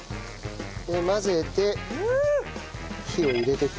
混ぜて火を入れていく。